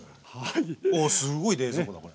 おっすごい冷蔵庫だね。